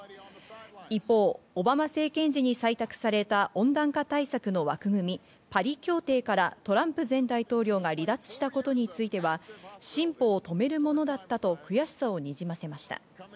一方、オバマ政権時に採択された温暖化対策の枠組み、パリ協定からトランプ前大統領が離脱したことについては、進歩を止めるものだったと悔しさをにじませました。